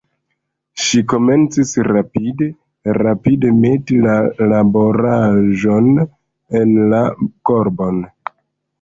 Ŝi komencis rapide, rapide meti la laboraĵon en la korbon.